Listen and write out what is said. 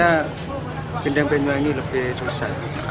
karena kendang banyuwangi lebih susah